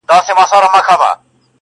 خلګ راغله و قاضي ته په فریاد سوه-